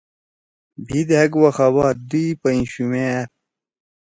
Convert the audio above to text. بھی دھأک وخا باد دیئی پئں شُومے أپ۔